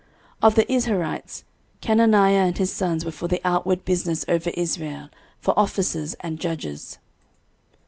13:026:029 Of the Izharites, Chenaniah and his sons were for the outward business over Israel, for officers and judges.